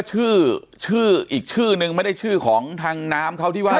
ชื่อชื่ออีกชื่อนึงไม่ได้ชื่อของทางน้ำเขาที่ว่า